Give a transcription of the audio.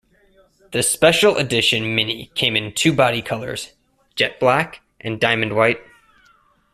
The special edition Mini came in two body colours, jet black and diamond white.